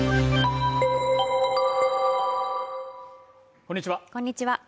こんにちは